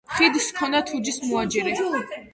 ხიდს ჰქონდა თუჯის მოაჯირი.